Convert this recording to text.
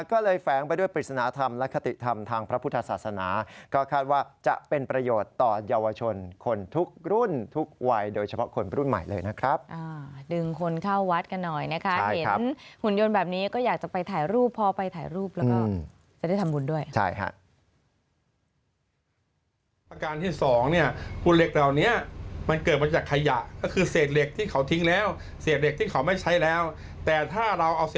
ก็เลยแฝงไปด้วยปริศนธรรมและคติธรรมทางพระพุทธศาสนา